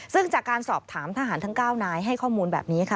ซึ่งจากการสอบถามทหารทั้ง๙นายให้ข้อมูลแบบนี้ค่ะ